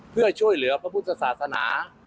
เพื่อช่วยเหลือพระพุทธศาสนา